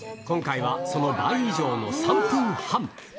今回はその倍以上の３分半。